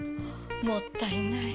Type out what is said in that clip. もったいない。